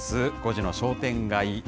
５時の商店街。